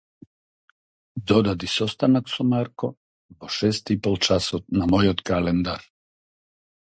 Додади состанок со Марко во шест ипол часот на мојот календар.